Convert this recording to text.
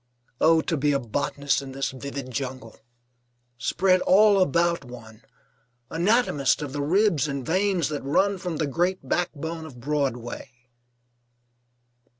Oh, to be a botanist of this vivid jungle, spread all about one, anatomist of the ribs and veins that run from the great backbone of Broadway!